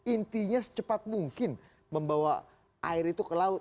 intinya secepat mungkin membawa air itu ke laut